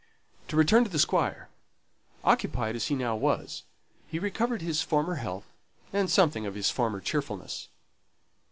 To return to the Squire. Occupied as he now was, he recovered his former health, and something of his former cheerfulness.